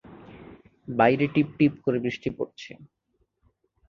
বাইরে টিপটিপ করে বৃষ্টি পড়ছে।